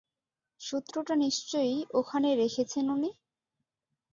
সূত্রটা নিশ্চয়ই ওখানে রেখেছেন উনি।